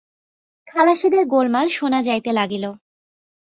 খালাসিদের গোলমাল শোনা যাইতে লাগিল।